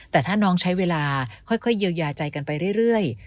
แต่ถ้าน้องใช้เวลาค่อยเยียวยาใจกันไปเรื่อย